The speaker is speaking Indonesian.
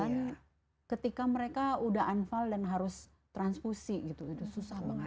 jadi kadang kadang kita sangat kewalahan ketika mereka udah unfil dan harus transfusi gitu susah banget